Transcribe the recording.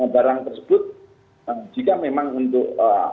barang tersebut jika memang untuk